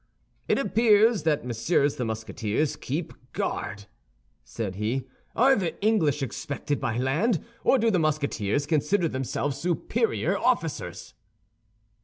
"It appears that Messieurs the Musketeers keep guard," said he. "Are the English expected by land, or do the Musketeers consider themselves superior officers?"